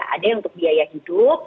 ada yang untuk biaya hidup